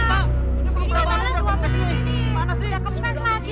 dalam perkembangan masak lagi